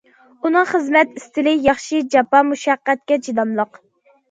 ئۇنىڭ خىزمەت ئىستىلى ياخشى، جاپا- مۇشەققەتكە چىداملىق.